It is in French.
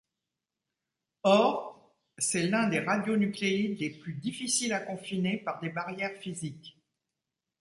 Or c'est l'un des radionucléides les plus difficiles à confiner par des barrières physiques.